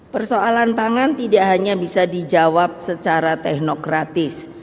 persoalan pangan tidak hanya bisa dijawab secara teknokratis